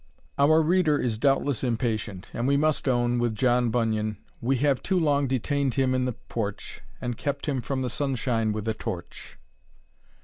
Our reader is doubtless impatient, and we must own, with John Bunyan, We have too long detain'd him in the porch, And kept him from the sunshine with a torch.